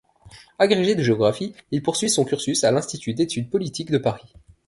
Agrégé de géographie, il poursuit son cursus à l'institut d'études politiques de Paris.